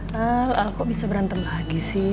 hal kok bisa berantem lagi sih